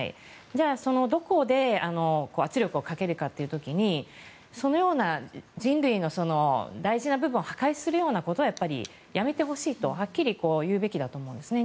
じゃあ、どこで圧力をかけるかという時にそのような人類の大事な部分を破壊するようなことはやめてほしいと、はっきり言うべきだと思うんですね。